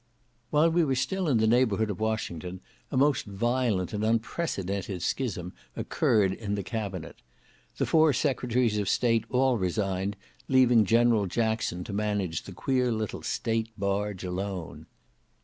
While we were still in the neighbourhood of Washington, a most violent and unprecedented schism occurred in the cabinet. The four secretaries of State all resigned, leaving General Jackson to manage the queer little state barge alone.